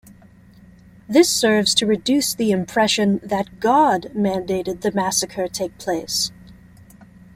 This serves to reduce the impression that God mandated that the massacre take place.